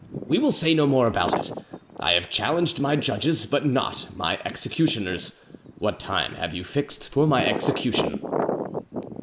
We will say no more about it. I have challenged my judges, but not my executioners. What time have you fixed for my execution?"